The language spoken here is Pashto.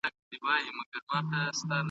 انګریزانو له دې فرصت نه ګټه پورته کړه.